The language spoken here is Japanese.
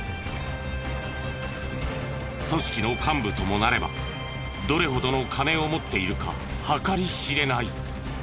組織の幹部ともなればどれほどの金を持っているか計り知れない。